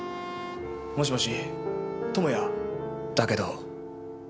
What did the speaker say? もしもし智也？だけど。